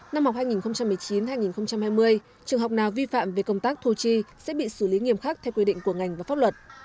năm học hai nghìn một mươi chín hai nghìn hai mươi trường học nào vi phạm về công tác thu chi sẽ bị xử lý nghiêm khắc theo quy định của ngành và pháp luật